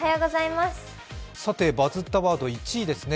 さて、バズったワード１位ですね。